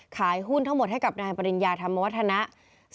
ขายหุ้นทั้งหมดให้กับนายปริญญาธรรมวัฒนะ